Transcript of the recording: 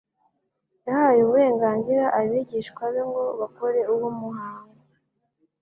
yahaye uburenganzira abigishwa be ngo bakore uwo muhangu